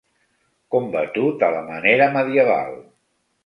Combatut a la manera medieval.